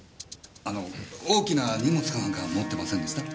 あの大きな荷物か何か持ってませんでした？